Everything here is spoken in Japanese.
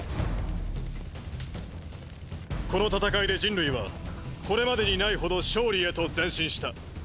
この戦いで人類はこれまでにないほど勝利へと前進した。